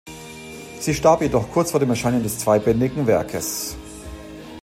Sie starb jedoch kurz vor dem Erscheinen des zweibändigen Werkes.